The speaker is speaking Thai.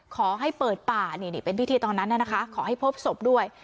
ขอให้เปิดป่านี่เป็นพิธีตอนนั้นนะคะขอให้พบศพด้วย